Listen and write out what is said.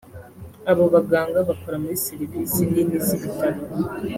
Abo baganga bakora muri serivisi nini z’ibitaro